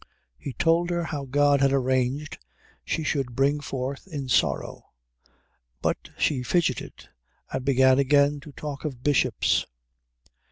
He told her how God had arranged she should bring forth in sorrow, but she fidgeted and began again to talk of bishops.